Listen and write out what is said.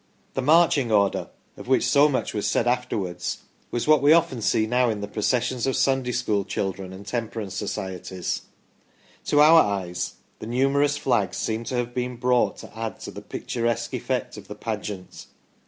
The * marching order/ of which so much was said afterwards, was what we often see now in the processions 22 THE STORY OF PETERLOO of Sunday School children and Temperance Societies. To our eyes the numerous flags seemed to have been brought to add to the picturesque effect of the pageant.